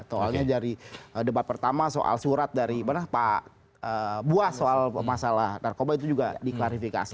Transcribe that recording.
soalnya dari debat pertama soal surat dari pak buas soal masalah narkoba itu juga diklarifikasi